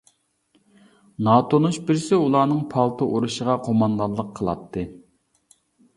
ناتونۇش بىرسى ئۇلارنىڭ پالتا ئۇرۇشىغا قوماندانلىق قىلاتتى.